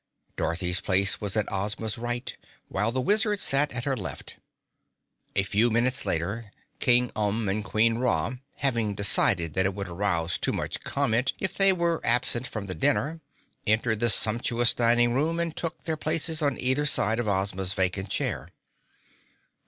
Dorothy's place was at Ozma's right, while the Wizard sat at her left. A few minutes later, King Umb and Queen Ra, having decided that it would arouse too much comment if they were absent from the dinner, entered the sumptuous dining room and took their places on either side of Ozma's vacant chair.